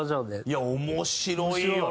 いや面白いよね！